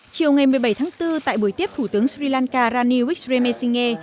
chiều một mươi bảy tháng bốn tại buổi tiếp thủ tướng sri lanka rani wixremesinge